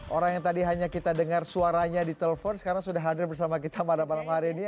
orang yang tadi hanya kita dengar suaranya di telepon sekarang sudah hadir bersama kita pada malam hari ini